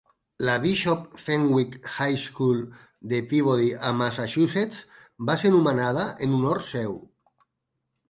La Bishop Fenwick High School de Peabody a Massachusetts va ser nomenada en honor seu.